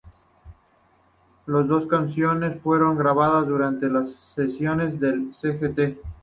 Las dos canciones fueron grabadas durante las sesiones del "Sgt.